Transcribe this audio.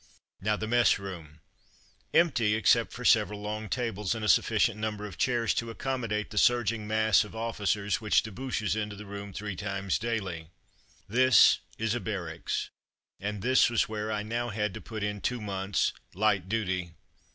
Now the mess room: empty, except for several long tables 20 From Mud to Mufti and a sufficient number of chairs to accom modate the surging mass of officers which debouches into the room three times daily. This is a barracks, and this was where I now had to put in two months' "light duty.